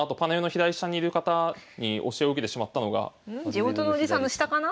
「地元のおじさん」の下かな？